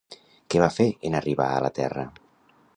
Què va fer en arribar a la Terra?